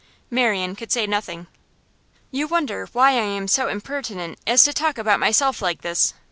Marian could say nothing. 'You wonder why I am so impertinent as to talk about myself like this.